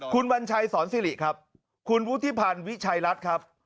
คุณวัญชัยสอนสิริครับคุณวุฒิพันธ์วิชัยรัฐครับ